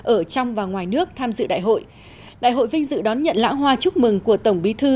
ở trong và ngoài nước tham dự đại hội đại hội vinh dự đón nhận lãng hoa chúc mừng của tổng bí thư